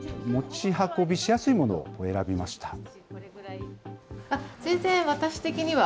持ち運びしやすいものを選びました。